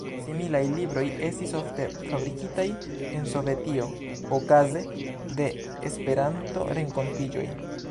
Similaj libroj estis ofte fabrikitaj en Sovetio okaze de Esperanto-renkontiĝoj.